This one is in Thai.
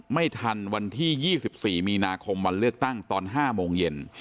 ไม่ทันวันที่๒๔มีนาคมวันเลือกตั้งตอน๕โมงเย็น